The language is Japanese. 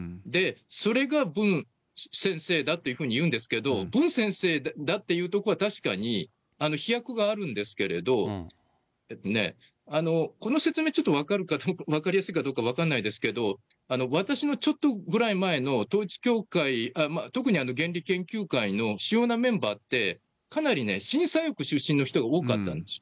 それが文先生だっていうんですけれど、文先生だっていうところは確かに、飛躍があるんですけれど、この説明、ちょっと分かるか、分かりやすいかどうか分かんないですけど、私のちょっとぐらい前の統一教会、特に原理研究会の主要なメンバーって、かなり新左翼出身の人が多かったんです。